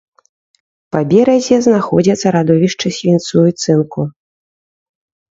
Па беразе знаходзяцца радовішчы свінцу і цынку.